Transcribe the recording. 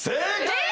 えっ！